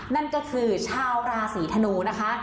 นั่นก็คือชาวราศีธนูนะคะ